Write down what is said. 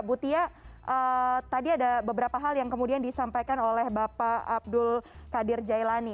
bu tia tadi ada beberapa hal yang kemudian disampaikan oleh bapak abdul qadir jailani